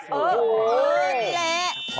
โอ้โหนี่แหละ